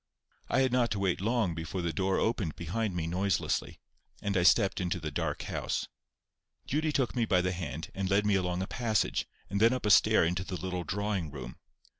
I had not to wait long before the door opened behind me noiselessly, and I stepped into the dark house. Judy took me by the hand, and led me along a passage, and then up a stair into the little drawing room.